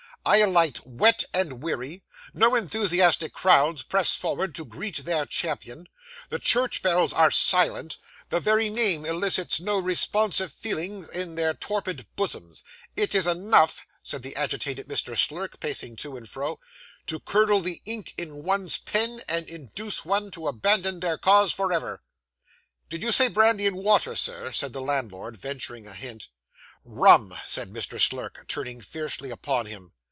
I alight wet and weary; no enthusiastic crowds press forward to greet their champion; the church bells are silent; the very name elicits no responsive feeling in their torpid bosoms. It is enough,' said the agitated Mr. Slurk, pacing to and fro, 'to curdle the ink in one's pen, and induce one to abandon their cause for ever.' 'Did you say brandy and water, Sir?' said the landlord, venturing a hint. 'Rum,' said Mr. Slurk, turning fiercely upon him.